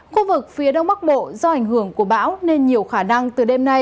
khu vực phía đông bắc bộ do ảnh hưởng của bão nên nhiều khả năng từ đêm nay